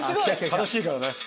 楽しいからね。